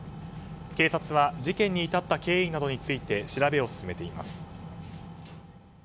警察は事件に至った経緯などについて調べを進めています。